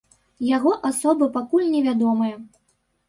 Яго асоба пакуль не вядомая.